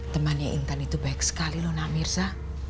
temannya intan itu baik sekali loh nak mirsa